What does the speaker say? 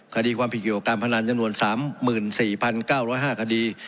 คดีความผิดเกี่ยวกับการพนันจำนวน๓๔๙๐๕คดี